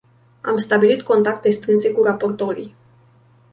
Am stabilit contacte strânse cu raportorii.